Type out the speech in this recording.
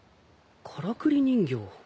からくり人形。